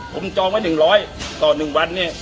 ผมจองไว้๑๐๐ต่อ๑วันเนี่ย